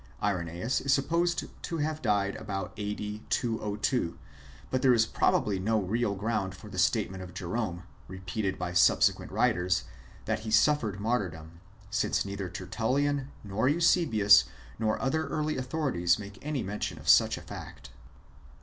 Irenaeus is supposed to have died about a.d. 202 ; but there is probably no real ground for the statement of Jerome, repeated by subsequent writers, that he suffered martyrdom, since neither Tertullian nor Eusebius, nor other early authorities, make any mention of such a fact.